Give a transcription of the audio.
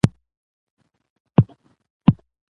او د کار سړى تر جوړ شو،